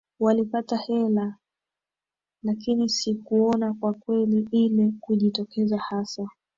walipata hela lakini sikuona kwa kweli ile kujitokeza hasa